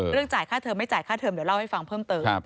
จ่ายค่าเทอมไม่จ่ายค่าเทอมเดี๋ยวเล่าให้ฟังเพิ่มเติม